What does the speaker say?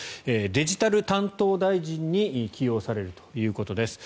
デジタル担当大臣に起用されるということです。